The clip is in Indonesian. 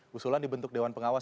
gusulan dibentuk dewan pengawas